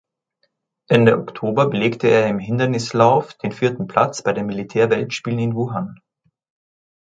Ende Oktober belegte er im Hindernislauf den vierten Platz bei den Militärweltspielen in Wuhan.